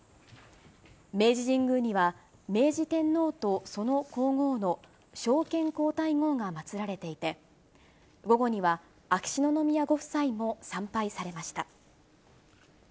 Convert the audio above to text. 明治神宮には、明治天皇とその皇后の昭憲皇太后が祭られていて、午後には秋篠宮ご夫妻も参拝されました。